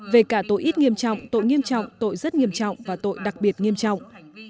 về cả tội ít nghiêm trọng tội nghiêm trọng tội rất nghiêm trọng và tội đặc biệt nghiêm trọng